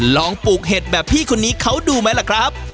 ปลูกเห็ดแบบพี่คนนี้เขาดูไหมล่ะครับ